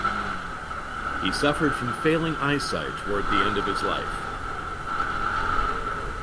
He suffered from failing eyesight towards the end of his life.